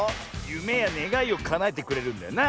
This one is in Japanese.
ゆめやねがいをかなえてくれるんだよな。